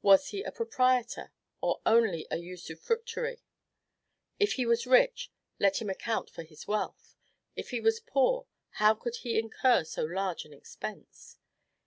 was he a proprietor, or only a usufructuary? If he was rich, let him account for his wealth; if he was poor, how could he incur so large an expense?